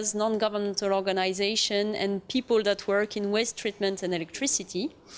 dan orang orang yang bekerja dalam penyelamatkan peralatan dan elektrik